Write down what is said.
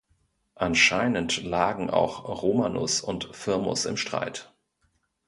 Anscheinend lagen auch Romanus und Firmus im Streit.